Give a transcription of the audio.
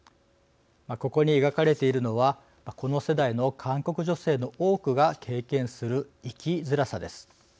ここに描かれているのはこの世代の韓国女性の多くが経験する生きづらさです。